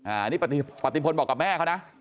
อันนี้ปฏิพลบอกกับแม่เขานะ